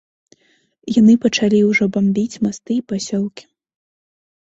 Яны пачалі ўжо бамбіць масты і пасёлкі.